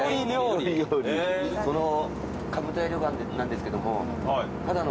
その兜家旅館なんですけども。